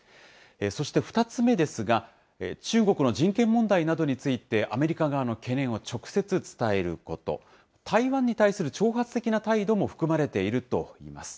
そして２つ目ですが、中国の人権問題などについて、アメリカ側の懸念を直接伝えること、台湾に対する挑発的な態度も含まれているといいます。